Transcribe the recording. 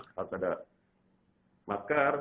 kalau ada masker